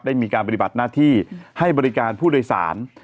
ได้มีการปฏิบัติหน้าที่ให้บริการผู้โดยสาร